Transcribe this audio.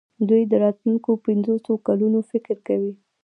دوی د راتلونکو پنځوسو کلونو فکر کوي.